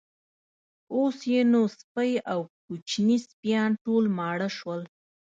اوس یې نو سپۍ او کوچني سپیان ټول ماړه شول.